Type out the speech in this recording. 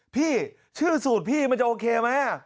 พี่ชื่อสูตรพี่มันจะโอเคไหม